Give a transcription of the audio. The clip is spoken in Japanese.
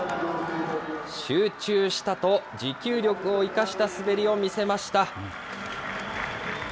集中したと持久力を生かした滑りを見せました。